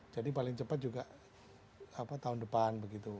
jadi paling cepat juga tahun depan begitu